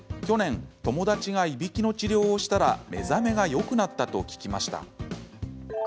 去年、友達がいびきの治療をしたら目覚めがよくなったと聞きました。